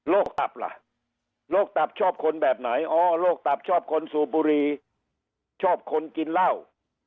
ตับล่ะโรคตับชอบคนแบบไหนอ๋อโรคตับชอบคนสูบบุรีชอบคนกินเหล้า